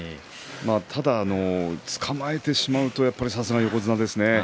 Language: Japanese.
ただ、つかまえてしまうとさすが横綱ですね。